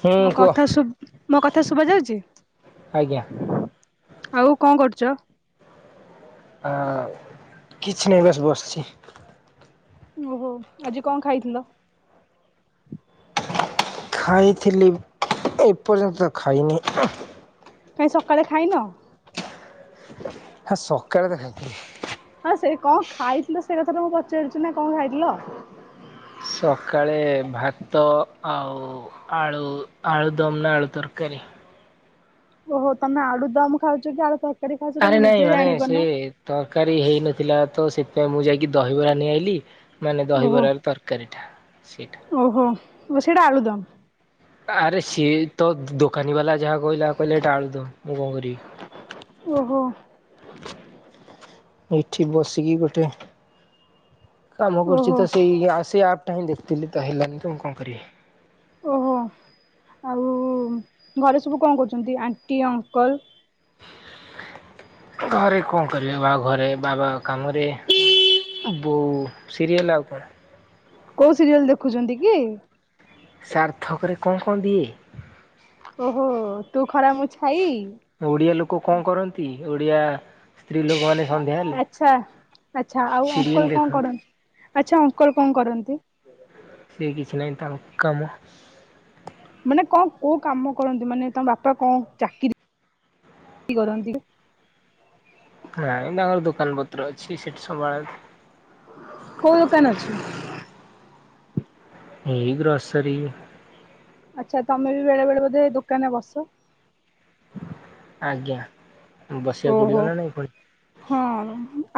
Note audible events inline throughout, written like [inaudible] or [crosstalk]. ହୁଁ ମୋ କୁହ କଥା ଶୁଭୁ ମୋ କଥା ଶୁଭା ଯାଉଛି? ଆଜ୍ଞା। ଆଉ କଣ କରୁଛ? ଆଉ କିଛି ନାହିଁ ବାସ୍ ବସିଛି। ଓହୋ ଆଜି କଣ ଖାଇଥିଲ? ଖାଇଥିଲି ଏପର୍ଯ୍ୟନ୍ତ ତ ଖାଇନି। କାଇଁ ସକାଳେ ଖାଇନ? ହଁ ସକାଳେ ତ ଖାଇଥିଲି। ହଁ ସେ କଣ ଖାଇଥିଲ ସେ କଥା ଟା ମୁଁ ପଚାରିଛି ନା କଣ ଖାଇଥିଲ? ସକାଳେ ଭାତ ଆଉ ଆଳୁ ଆଳୁ ଦମ୍ ନା ଆଳୁ ତରକାରୀ। ଓହୋ ତମେ ଆଳୁ ଦମ ଖାଉଚ କି ଆଳୁ ତର ଆରେ ନାଇଁ ମାନେ ସେ ତରକାରୀ ହେଇନଥିଲା ତ ସେଥିପାଇଁ ମୁଁ ଯାଇକି ଦହିବରା ନେଇଆଇଲିି। ମାନେ ଓହୋ ଦହିବରାର ତରକାରୀଟା ସେଇଟା। ଓହୋ ଓ ସେଟା ଆଳୁ ଦମ୍। ଆରେ ସିଏ ତ ଦୋ-ଦୋକାନୀ ବାଲା ଯାହା କୋଇଲା କୋଇଲେ ଏଟା ଆଳୁ ଦମ୍ ମୁଁ କଣ ଓହୋ କରିବି। ଏଇଠି ବସିକି ଗୋଟେ କାମ କରୁଚି ଓହୋ ତ ସେଇ ଆଉ ସେଇ ଆପଟା ହିଁ ଦେଖୁଥୁଲି ତ ହେଲାନି ତ ମୁଁ କଣ କରିବି? ଓହୋ ଆଉ ଘରେ ସବୁ କଣ କରୁଚନ୍ତି ଆଣ୍ଟି ଅଙ୍କଲ? ଘରେ କଣ କରିବେ ବା ଘରେ ବାବା କାମରେ ବୋଉ ସିରିଏଲ ଆଉ କଣ। କୋଉ ସିରିଏଲ ଦେଖୁଚନ୍ତି କି? ସାର୍ଥକରେ କଣ କଣ ଦିଏ? ଓହୋ ତୁ ଖରା ମୁଁ ଛାଇ? ଓଡିଆ ଲୋକ କଣ କରନ୍ତି ଓଡିଆ ସ୍ତ୍ରୀ ଲୋକମାନେ ଆ-ଆ-ଆଛା ଆଛା ଆଉ ସିରିଏଲ ଅଙ୍କଲ କଣ ଦେଖନ୍ତି। କରନ୍ ଆଛା ଅଙ୍କଲ କଣ କରନ୍ତି? ସିଏ କିଛି ନାଇଁ ତାଙ୍କ କାମ। ମାନେ କଣ କୋଉ କାମ କରନ୍ତି ମାନେ ତମ ବାପା କଣ ଚାକିରି-ଇ କରନ୍ତି? ନାଇଁ ତାଙ୍କର ଦୋକାନ ପତ୍ର ଅଛି ସେଠି ସବୁବେଳେ କୋଉ ଦୋକାନ ଅଛି? ଏଇ ଗ୍ରୋସରୀ। ଆଛା ତମେ ବି ବେଳେବେଳେ ବୋଧେ ଦୋକାନରେ ବସ? ଆଜ୍ଞା ବସିବାକୁ ଓହୋ ପଡ଼ିବ ନା ନାଇଁ ପୁଣି। ହଁ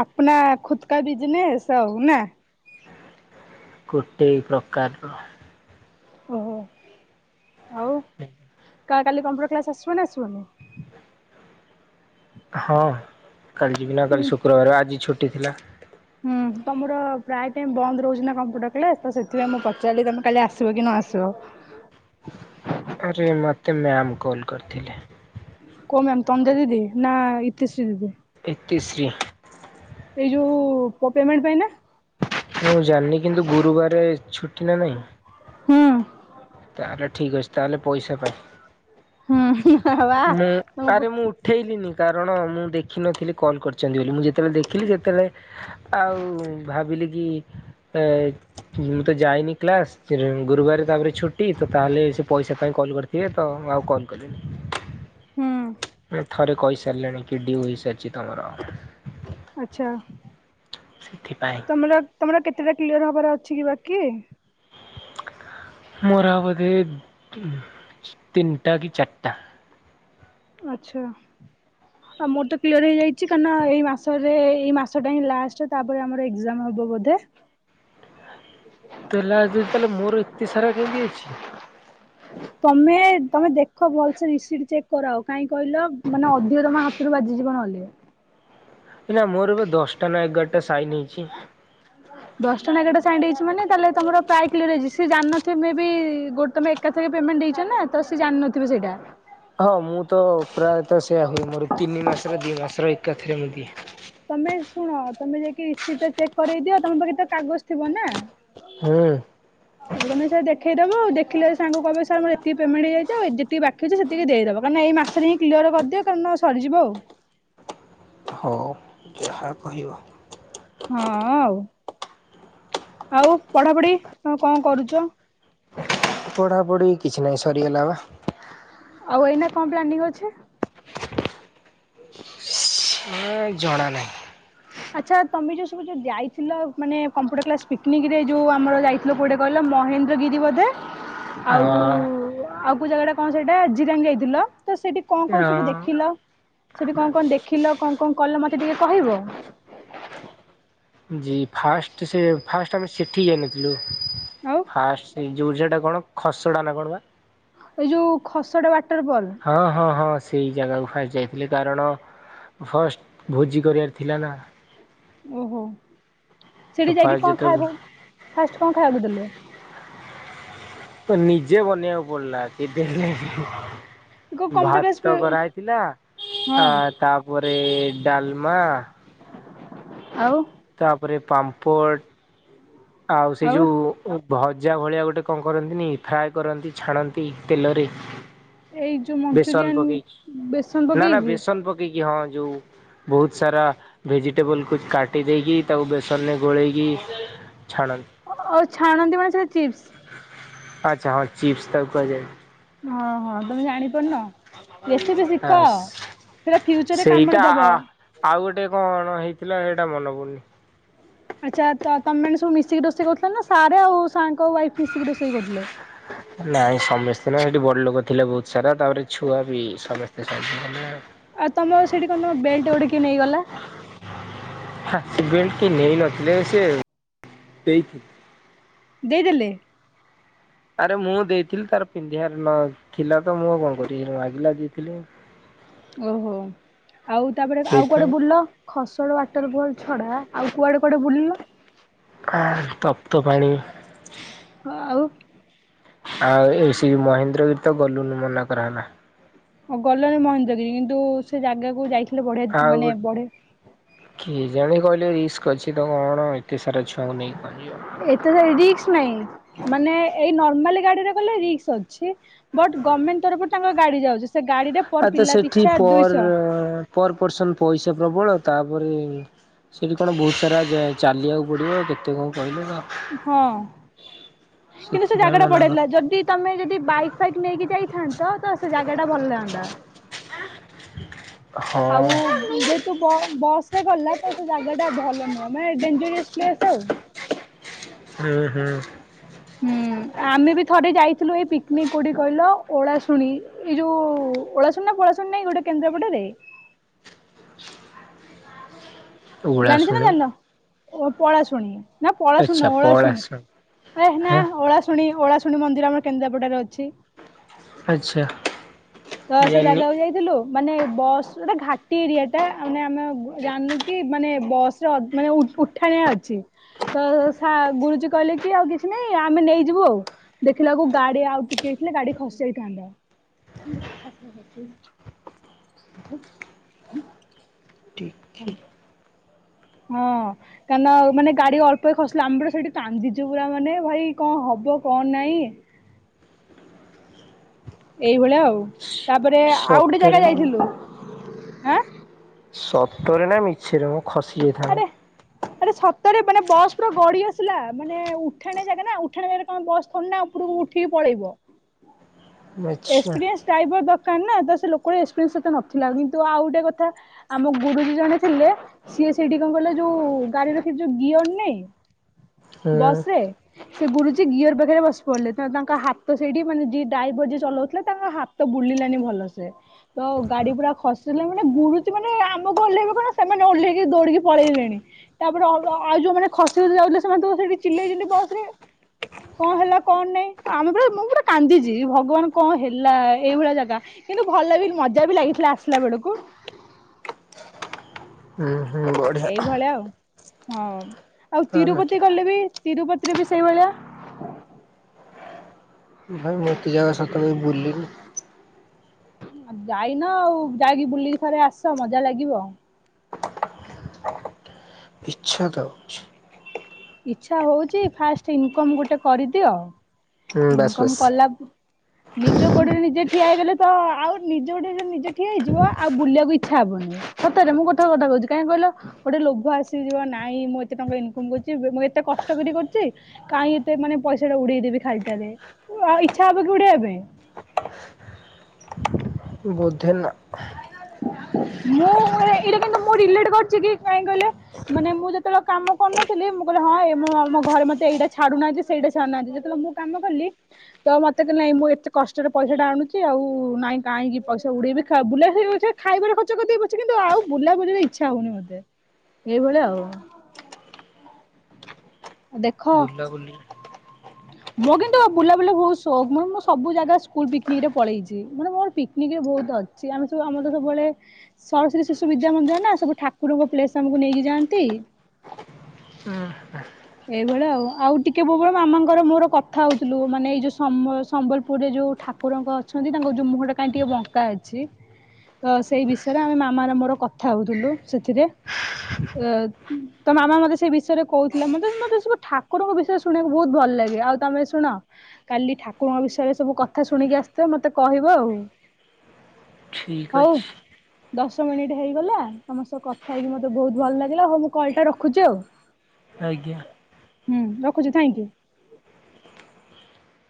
ଆପନା ଖୁଦ୍ କା ବିଜନେସ୍ ଆଉ ନା? ଗୋଟେ ପ୍ରକାରର। ଓହୋ। ହୁଁ। କା କାଲି କମ୍ପୁଟର କ୍ଲାସ୍ ଆସିବ ନା ଆସିବନି। ହଁ କାଲି ଯିବିନା କାଲି ଶୁକ୍ରବାରେ ଆଜି ଛୁଟି ଥିଲା। ହୁଁ ତମର ପ୍ରାୟେ ଟାଇମ୍ ବନ୍ଦ ରହୁଚି ନା କମ୍ପ୍ୟୁଟର କ୍ଲାସ୍ ତ ସେଥିପାଇଁ ମୁଁ ପଚାରଲି ତମେ କାଲି ଆସିବ କି ନ ଆସିବ। ଆରେ ମତେ ମ୍ୟାାମ୍ କଲ କରିଥିଲେ। କୋଉ ମ୍ୟାମ୍ ତନ୍ଦା ଦଦି ନାଁ ଇତିଶ୍ରୀ ଦିଦି? ଇତିଶ୍ରୀ। ଏଇ ଯୋଉ ପୋ-ପେମଣ୍ଟ ପାଇଁ ନା? ମୁଁ ଜାଣନି କିନ୍ତୁ ଗୁରୁବାର ଛୁଟି ନା ନାଇଁ? ହୁଁ। ତାହେଲେ ଠିକ୍ ଅଛି ତାହେଲେ ପଇସା ପାଇଁ। ହୁଁ ହୁଁ ହଁ ହଁ। ମୁଁ ଆରେ ମୁଁ ଉଠେଇଲିିନି। କାରଣ ମୁଁ ଦେଖିନଥିଲି କଲ୍ କରିଚନ୍ତି ବୋଲି ମୁଁ ଯେତଳେ ଦେଖିଲି ସେତଳେ ଆଉ ଭାବିଲି କି ଏ ମୁଁ ତ ଯାଇନି କ୍ଲାସ ସେରୁ ଗୁରୁବାରେ ତାପରେ ଛୁଟି ତ ତାହେଲେ ସେ ପଇସା ପାଇଁ କଲ୍ କରି ଥିବେ ତ ମୁଁ ଆଉ କଲ୍ କଲିିନି। ହୁଁ। ଉଁ ଥରେ କହି ସାରଲେଣି କି ଡିଉ ହୋଇସାରଚି ତମର। ଆଛା। ସେଥିପାଇଁ। ତମର ତମର କେତେଟା କ୍ଲିୟର ହବାର ଅଛି କି ବାକି? ମୋର ଆଉ ବୋଧେ ତିନଟା କି ଚାରିଟା ଆଚ୍ଛା ଆଉ ମୋର ତ କ୍ଲିୟର ହେଇଯାଇଛି କାଇଁକିନା ଏଇସରେ ଏଇ ମାସରେ ଏଇ ମାସଟାହିଁ ଲାଷ୍ଟ ତାପରେ ଆମର ଏକ୍ଜାମ ହେବ ବୋଧେ ତୋର ଲାଷ୍ଟ୍ ଜଦି ତାହାଲେ ମୋର ଏତେ ସାରା କେମିତି ଅଛି ତମେ ତମେ ଦେଖ ଭଲସେ ରିସିବ୍ ଚେକ୍ କରାଅ କାହିଁକି କହିଲ ମାନେ ଅଧିକ ତମ ହାତ ହାତରୁ ବାଜିଯିବ ନହେଲେ ଏନା ମୋର ଏବେ ଦଶଟା ନା ଏଗାରଟା ସାଇନ ହେଇଛି ହ ଦଶଟଙ୍କା ଏଗାରଟା ସାଇଁଣ୍ଡ ହେଇଛି ମାନେ ତମର ପ୍ରାୟ କ୍ଲିଅରହେଇଛି ସିଏ ଜାଣିନଥିବ ମେବି ଗୋଟେ ଏକାଥରେ ପେମେଣ୍ଟ ଦେଇଛନ୍ତି ନାଁ ତ ସେ ଜାଣିନଥିବେ ସେଇଟା ହଁ ମୁଁ ତ ପ୍ରାୟତଃ ସେଇୟା ହୁଏ ମୋର ତିନି ମାସରେ ଦିଇ ମାସର ଏକାଥରେ ମୁଁ ଦିଏ ତମେ ଶୁଣ ତମେ ଯାଇକି ରିସିପ୍ ଟା ଚେକ୍ କରେଇଦିଅ ତମ ପାଖେ ତ କାଗଜ ଥିବ ନା ହୁଁ ହ ହଉ ତମେ ସେୟା ଦେଖେଇଦବ ଦେଖିଲେ ସାର୍ ଙ୍କୁ କହିବ ସାର୍ ମୋର ଏତିକି ପେମଣ୍ଟ ହେଇଯାଇଛି ଆଉଯେତିକି ବାକି ଅଛି ସେତିକି ଦେଇଦବ କାଇଁ କିନା ଏଇ ମାସ ସେଠି କ୍ଲିଅର କରିଦିଅ କାରଣ ସରିଯିବ ଆଉ ହଉ ଯାହା କହିବ ହଁ ଆଉ ଆଉ ପଢାପଢି ତମେ କଣ କରୁଛ ପଢା ପଢି କିଛି ନହିଁ ସରିଗଲା ବା ଆଉ ଏଇନା କଣ ପ୍ଲାନିଂ ଅଛି ହ ଜଣା ନାହିଁ ଆଚ୍ଛା ତମେ ଯୋଉ ସବୁ ଯୋଉ ଯାଇଥିଲ ମାନେ କମ୍ପୁଟର କ୍ଲାସ ପିକନିକ ରେ ଯୋଉ ଆମର ଯାଇଥିଲ କୋଉଠିକି କହିଲ ମହେନ୍ଦ୍ରଗିରି ବୋଧେ ଅ ଆଉ ଆଉ କୋଉ ଜାଗାଟା କଣ ସେଇଟା ଜିରାଙ୍ଗ୍ ଯାଇଥିଲ ତ ସେଇଠି କଣ ଅ କଣ ସବୁ ଦେଖିଲ ସେଠି କଣ କଣ ଦେଖିଲ କଣ କଣ କଲ ମତେ ଟିକେ କହିବ ଜି ଫାଷ୍ଟ ସେ ଫାଷ୍ଟ ଆମେ ସେଠିକି ଯାଇନଥଲୁ ଆଉ ହା ସେ ଯୁଝ ଟା କଣ ଖସ ଟା ନା କଣ ବା ଏଇ ଯୋଉ ଖସଡା ୱାଟର ଫଲ୍ ହଁ ହଁ ହଁ ସେଇ ଜାଗାକୁ ଫାଷ୍ଟ ଯାଇଥିଲି କାରଣ ଫାଷ୍ଟ ଭୋଜି କରିବାର ଥିଲା ନା ଓହୋ ତ ସେଠି ଯାଇକି ଫାଷ୍ଟ କଣ ଯେତେବେଳେ ଖାଇବ ଫାଷ୍ଟ କଣ ଖାଇବାକୁ ଦେଲେ ତ ନିଜେ ବନେଇବାକୁ ପଡିଲା କେବେ ହେଲେ କୋଉ କମ୍ ପ୍ର ଭାତ ଗରା ହେଇଥିଲା ଆ ହଁ ତାପରେ ଡାଲମା ଆଉ ତାପରେ ପାମ୍ପଟ ଆଉ ସେ ଯେଉଁ ଭଜା ଭଳିଆ ଗୋଟେ କଣ କରନ୍ତିନି ଫ୍ରାଏ କରନ୍ତି ଛାଣନ୍ତି ତେଲରେ ଏଇ ଯୋଉ ବେସନ ମଞ୍ଚୁରିଆନ ବେସନ ପକେଇକି ନା ନା ପକେଇକି ବେସନ ପକେଇକି ହଁ ଯୋଉ ବହୁତ ସାରା ଭେଜିଟେବଲକୁ କାଟି ଦେଇେଇକି ତାକୁ ବେସନରେ ଗୋଳେଇକି ଛାଣନ୍ତି ଆଉ ଛାଣନ୍ତି ମାନେ ସେ ଚିପ୍ସ ଆଚ୍ଛା ହଁ ଚିପ୍ସ ତ କ ଯା ହଁ ହଁ ତମେ ଜାଣି ପାରୁନ ରେସିପି ଆ ଶିଖ ସେଟା ଫ୍ୟଚରରେ ସେଇଟା କାମୁଡି ଦବ ଆଉ ଗୋଟେ କ ଣ ହେଇଥିଲା ସେଇଟା ମନେ ପଡ଼ୁନି ଆଚ୍ଛା ତମେ ମେ ସବୁ ମିଶିକି ରୋଷେଇ କରୁଥିଲେ ନା ସ ଆଉ ସାଙ୍କ ୱାଇଫ୍ ମିଶିକି ରୋଷେଇ କରୁଥିଲେ ହ ନାଇଁ ସମସ୍ତେ ନ ସେଠି ବଡ ଲୋକ ଥିଲେ ବହୁତ ସାରା ତାପରେ ଛୁଆ ବି ସମସ୍ତେ ଆଉ ତମର ସେଠି କଣ ତମ ବଲଟ ଗୋଟେ କିଏ ନେଇଗଲା ସେଣ୍ଟ କି ନେଇନଥିଲେ ସେ ଦେଇଥିଲେ ଦେଇଦେଲେ ଆରେ ମୁଁ ଦେଇଥିଲି ତାର ପିନ୍ଧିବାର ନ ଥିଲା ତ ମୁଁ କଣ କର ମାଗିଲା ଦେଇଥିଲି ଓହୋ ଆଉ ତାପରେ ଆଉ କୋଆଡେ ସେଇଥିପାଇଁ ବୁଲ? ଖସଡ଼ ୱାଟର ବଲ୍ ଛଡ଼ା ଆଉ କୁଆଡେ କୁଆଡେ ବୁଲିଲ? କ ତପ୍ତ ପାଣି। ହଁ ଆଉ। ଆଉ ସେ ମହେନ୍ଦ୍ରବୀର ତ ଗଲୁନୁ ମନା କରାଗଲା। ଓ ଗଲ ମହେନ୍ଦଗିରି କିନ୍ତୁ ସେ ଜାଗାକୁ ଯାଇଥିଲେ ବଢି ମାନେ ବଢି କିଏ ଜାଣ କହିଲେ ରିସ୍କ ଅଛି ତ କ ଣ ଏତେ ସାରା ଛୁଆଙ୍କୁ ନେଇକି ପହଞ୍ଚଯିବ। ଏତେ ରିକ୍ସ ନାଇଁ ମାନେ ଏଇ ନର୍ମାଲ ଗାଡିରେ ଗଲେ ରିକ୍ସ ଅଛି। ବଟ୍ ଗଭର୍ଣ୍ଣମେଣ୍ଟ ତରଫରୁ ତାଙ୍କ ଗାଡି ଯାଉଛି। ସେ ଗାଡିରେ ପର ଆଚଛା ପିଲା ସେଠି ପିଛା ଦୁଇଶହ ପର ପର ପର୍ସନ୍ ପଇସା ପ୍ରବଳ ତାପରେ ସେଇଠି କଣ ବହୁତ ସାରା ଚାଲିବାକୁ ପଡ଼ିବ କେତେ କଣ କହିଲେ ଆ ହଁ କିନ୍ତୁ ସେ ସେଥିପାଇଁ ଜାଗା ଟା ମନା କର ପଡେଇଲା ଯଦି ତମେ ଯଦି ବାଇକ୍ ଫାଇକ୍ ନେଇକି ଯାଇଥାନ୍ତ ତ ସେ ଜାଗା ଟା ଭଲ ଲାଗନ୍ତା। ହ। ଆଉ ଯେହେତୁ ବସରେ ଗଲା ତ ସେ ଜାଗା ଟା ଭଲ ନୁହଁ ମାନେ ଡେଞ୍ଜରିୟସ୍ ସ୍ପେସ୍ ଆଉ। [unintelligible] ହୁଁ ଆମେ ବି ଥରେ ଯାଇଥିଲୁ ଏଇ ପିକନିକ୍ କୋଠି କହିଲ ଓଳା ଶୁଣି। ଏଇ ଯୋଉ ଓଳାସୁଣୀ ନା ଫୋଲାସୁଣୀ ନାଇଁ ଗୋଟେ କେନ୍ଦ୍ରାପଡ଼ା ରେ? ଜାଣିଛ ନା ଉଳାଶୁଣି ଜାଣିନ ପଳାଶୁଣି? ନା ପଳାଶୁଣୀ ଆଚ୍ଛା ନୁହଁ ଓଳାଶୁଣୀ ପଳାଶୁଣି ହେ ହଁ ନ ଓଳାଶୁଣୀ। ଶୁଣି ଓଳାଶୁଣି ମନ୍ଦିର ଆମ କେନ୍ଦ୍ରାପଡ଼ାରେ ଅଛି। ଆଚ୍ଛା। ତ ସେ ଜାଣିନି ଜାଗାକୁ ଯାଇଥିଲୁ। ମାନେ ବସ୍ ଗଟେ ଘାଟି ଏରିଆ ଟା ମାନେ ଆମେ ଜାଣିଲୁ କି ମାନେ ବସ୍ ମାନେ ଉଠାଣିଆ ଅଛି। ତ ଗୁରୁଜୀ କହିଲେ କି ଆଉ କିଛି ନାହିଁ ଆମେ ନେଇଯିବୁ ଆଉ। ଦେଖିଲା ଆକୁ ଗାଡି ଆଉ ଟିକେ ହେଇ ଥିଲେ ଗାଡି ଖସି ଯାଇଥାନ୍ତା। [unintelligible] ଟିକେ [unintelligible] ହଁ। କାହିଁ ନା ମାନେ ଗାଡି ଅଳ୍ପ ଖସିଲା ଆମ୍ବଡ ସେଠି କାନ୍ଦିଛୁ ପୁରା ମାନେ ଭାଇ କଣ ହବ କଣ ନାଇଁ। ଏଇଭଳିଆ ଆଉ ତାପରେ ଆଉ ଗୋଟେ ସତରେ ଜାଗା ନା ଯାଇଥିଲୁ ଆଁ ସତରେ ନା ମିଛର ମୁ ଖସି ଯଥାଉ ଆରେ ଆରେ ସତରେ ମାନେ ବସ ପୁରା ଗଡି ଆସିଲା ମାନେ ଉଠାଣ ଜାଗା ନା ଉଠାଣ ଜାଗାରେ କଣ ବସ ଥ ନା ଉପରକୁ ଉଠିକି ପଳେଇବ। ଆଚ୍ଛା ଏକ୍ସପିରିଏନ୍ସ ଡ୍ରାଇଭର ଦରକାର ନା ତ ସେ ଲୋକର ଏକ୍ସପିରିଏନ୍ସତେ ନଥିଲା କିନ୍ତୁ ଆଉ ଗୋଟେ କଥା ଆମ ଗୁରୁଜୀ ଜଣେ ଥିଲେ ସିଏ ସେଇଠି କଣ କିଲେ ଯୋଉ ଗାଡି ରଖ ଯୋଉ ଗିଅର ନାଇଁ ହୁଁ ବସେ। ସେ ଗୁରୁଜ ଗିଅର ପାଖରେ ବସି ପଡିଲେ ତ ତାଙ୍କ ହାତ ସେଠି ମାନେ ଯିଏ ଡ୍ରାଇଭର ଚଲାଉଥିଲେ ତାଙ୍କ ହାତ ବୁଲିଲାନି ଭଲ ସେ। ତ ଗାଡି ପୁରା ଖସିଲାଣି ମାନେ ଗୁରୁଜୀ ମାନେ ଆମକୁ ଓଲେହିବେ କଣ ସେମାନେ ଓହ୍ଲେଇକି ଦୌଡିକି ପଳେଇଲେଣି। ତାପରେ ଆଉ ଯୋଉମାନେ ଖସି ଖ ଯାଉଥିଲେ ସେମାନେ ତ ସେଠି ଚିଲେଇଛନ୍ତି ବସ ରେ କଣ ହେଲା କଣ ନାଇଁ ଆମେ ପ ମୁଁ ପୋଟେ କାନ୍ଦିଛି ଭଗବାନ କଣ ହେଲା ଏଇଭଳିଆ ଜାଗା କିନ୍ତୁ ଭଲ ବି ମଜା ବି ଲାଗିଥିଲା ଆସିଲା ବେଳକୁ। ହୁଁ ହୁଁ। ବଢିଆ ଏଇଭଳିଆ ଆଉ ହଁ ଆଉ ତିରୁପତି ଗଲେ ବି ତିରୁପତିରେ ବି ସେଇଭଳିଆ। ଭାଇ ମୋତେ ଜାଗା ସତକ ବୁଲିନି। ଯାଇନ ଆଉ ଯାଇକି ବୁଲିକି ଥରେ ଆସ ମଜା ଲାଗିବ। ଇଚ୍ଛା ତ ଅଛି। ଇଚ୍ଛା ହଉଛି ଫାଷ୍ଟ ଇନକମ ଗୋଟେ କରିଦିଅ ହୁଁ ବାସ୍ ଇନକମ ବାସ୍ କଲା ନିଜ ଗୋଡରେ ନିଜେ ଠିଆ ହେଇଗଲେ ତ ଆଉ ନିଜ ଗୋଡରେ ନିଜେ ଠିଆ ହେଇଯିବ ଆଉ ବୁଲିବାକୁ ଇଛା ହବନି। ସତ ମୁ ଗୋଟେ କଥା କହୁଚି କାହିଁ କହିଲ ଗୋଟେ ଲୋଭ ଆସି ଯିବ ନାଇଁ ମୁଁ ଏତେ ଟଙ୍କା ଇନକମ୍ କରୁଚି ମୁଁ ଏତେ କଷ୍ଟ କରି କରୁଚି କାଇଁ ଏତେ ମାନେ ପଇସା ଟା ଉଡେଇଦେବି ଖାଲିଟାରେ ଆଉ ଇଚ୍ଛା ହବ କି ଉଡେଇବା ପାଇଁ। ବୋଧେ ନା। ମୁଁ ଏଇଟା କିନ୍ତୁ ମୁଁ ରିଲେଟ କରଛି କି କାଇଁ କହିଲେ ମାନେ ମୁଁ ଯେତେବେଳେ କାମ କରୁନଥିଲି ମୁଁ କିହିଲି ହଁ ଏମ ଆମ ଘରେ ମତେ ଏଇଟା ଛାୁଡୁ ନହାନ୍ତି ସେଇଟା ଛାୁଡୁ ନାହାନ୍ତି ଯେତେବେଳେ ମୁଁ କାମ କଲି ତ ମତେ କି ନାଇଁ ମୁଁ ଏତେ କଷ୍ଟରେ ପଇସା ଟା ଆଣୁଚି ଆଉ ନାଇଁ କାହିଁକି ପଇସା ଉଡେଇବି। ଖା ବୁଲା ଖାଇବାର ଖର୍ଚ କରିଦେବି ପଛେ କିନ୍ତୁ ଆଉ ବୁଲା ବୁଲିରେ ଇଛା ହଉନି ମତେ। ଏଇଭଳିଆ ଆଉ। ବୁଲା ବୁଲିରେ ମୁଁ କିନ୍ତୁ ବୁଲାବୁଲି ବୋହୁତ ଶୋକ ମାନେ ମୁଁ ସବୁ ଜାଗା ସ୍କୁଲ ପିକନିକ ରେ ପଳେଇଛି ମାନେ ମୋର ପିକନିକରେ ବହୁତ୍ ଅଧି ସିଏ ଆମେ ସବୁ ଆମର ତ ସବୁବେଳେ ସରସ୍ଵତୀ ଶିଶୁ ବିଦ୍ୟା ମନ୍ଦିର ନା ସବୁ ଠାକୁରଙ୍କ ପ୍ଲେସ୍ ଆମକୁ ନେଇକି ଯାଆନ୍ତି। ହୁଁ। ଏଇଭଳିଆ ଆଉ ଆଉ ଟିକେ ପୁର୍ବରୁ ମାମାଙ୍କର ମୋର କଥା ହଉଥିଲୁ ମାନେ ଏଇ ଯୋଉ ସମ୍ବଲ୍ ସମ୍ବଲପୁରରେ ଯୋଉ ଠା ଠାକୁରଙ୍କ ଅଛନ୍ତି ତାଙ୍କ ଯୋଉ ମୁହଁ ଟା କାଇଁ ଟିକେ ବଙ୍କା ଅଛି। ତ ସେଇ ବିଷୟରେ ଆମେ ମାମା ମୋର କଥା ହଉଥିଲୁ ସେଥିରେ ଅ ତ ମାମା ମତେ ସେଇ ବିଷୟରେ କହୁ ଥିଲା ମତେ ମତେ ସବୁ ଠାକୁରଙ୍କ ବିଷୟ ଶୁଣିବାକୁ ବୋହୁତ ଭଲ ଲାଗେ ଆଉ ତମେ ଶୁଣ କାଲି ଠାକୁରଙ୍କ ବିଷୟରେ ସବୁ କଥା ଶୁଣିକି ଆସିଥିବ ମତେ କହିବ ଆଉ। ଠିକ୍ ହଉ। ଅଛି ଦଶ ମିନିଟ୍ ହେଇଗଲା ତମ ସହ କଥା ହେଇକି ମତେ ବୋହୁତ ଭଲ ଲାଗିଲା ହଉ ମୁଁ କଲଟା ରଖୁଚି ଆଉ। ଆଜ୍ଞା। ହୁଁ ରଖୁଛି ଥାଙ୍କୟୁ।